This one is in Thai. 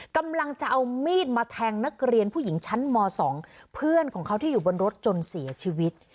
กำลังจะเอามีดมาแทงนักเรียนผู้หญิงชั้นม๒เพื่อนของเขาที่อยู่บนรถจนเสียชีวิต